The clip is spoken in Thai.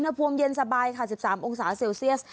อุณหภวมเย็นสบายค่ะสิบสามองศาเซลเซี่ยส